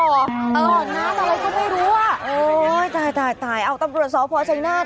น้ำอะไรก็ไม่รู้อ่ะโอ้ยตายตายตายอ๋อต้นบริวสอบพชัยนาฑค่ะ